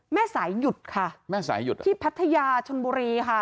แม่สายหยุดค่ะแม่สายหยุดที่พัทยาชนบุรีค่ะ